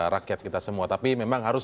rakyat kita semua tapi memang harus